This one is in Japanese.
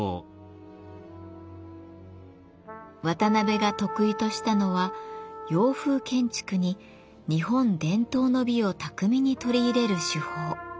渡辺が得意としたのは洋風建築に日本伝統の美を巧みに取り入れる手法。